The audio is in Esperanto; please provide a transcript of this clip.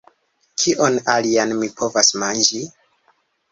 Kion alian mi povas manĝi?